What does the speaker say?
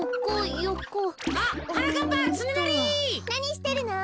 なにしてるの？